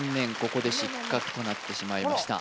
ここで失格となってしまいました